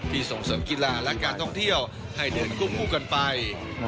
ส่งเสริมกีฬาและการท่องเที่ยวให้เดินควบคู่กันไป